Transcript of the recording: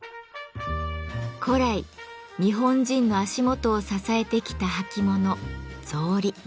古来日本人の足元を支えてきた履物「草履」。